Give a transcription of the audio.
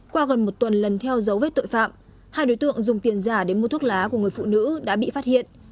qua gần một tuần lần theo dấu vết tội phạm hai đối tượng dùng tiền giả để mua thuốc lá của người phụ nữ đã bị phát hiện